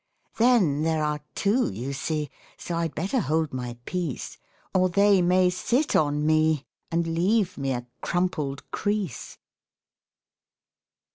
Then there are two, you see, So I'd better hold my peace, Or they may sit on me And leave me a crumpled crease.